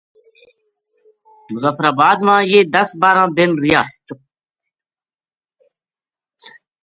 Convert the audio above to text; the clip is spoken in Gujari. مظفرآباد ما یہ دس بارہ دن رہیا